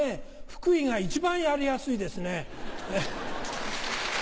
福井が一番やりやすいですね。